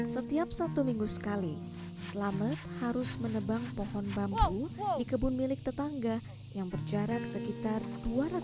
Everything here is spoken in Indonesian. setiap satu minggu sekali selamat harus menebang pohon bambu di kebun milik tetangga yang berjarak sekitar dua ratus meter